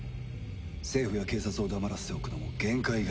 政府や警察を黙らせておくのも限界がある。